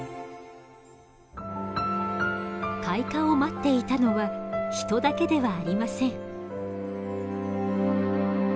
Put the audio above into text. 開花を待っていたのは人だけではありません。